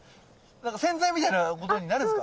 洗剤みたいなことになるんですか？